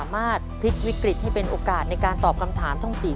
ไม้ท่อนนี้